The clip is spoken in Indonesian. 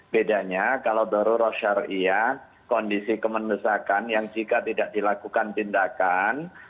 bedanya kalau baru roh syariah kondisi kemendesakan yang jika tidak dilakukan tindakan